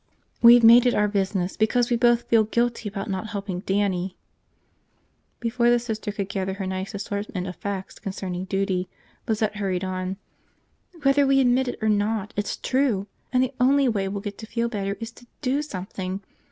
"We've made it our business because we both feel guilty about not helping Dannie." Before the Sister could gather her nice assortment of facts concerning duty, Lizette hurried on. "Whether we admit it or not, it's true, and the only way we'll get to feel better is to do something.